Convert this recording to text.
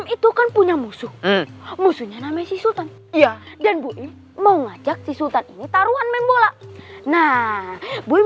itu kan punya musuh musuhnya namanya si sultan ya dan mau ngajak si sultan taruhan main bola nah